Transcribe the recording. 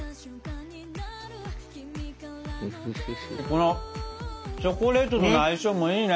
このチョコレートとの相性もいいね。